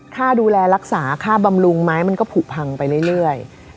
ค่าดูแลรักษาค่าบำรุงไม้มันก็ผูกพังไปเรื่อย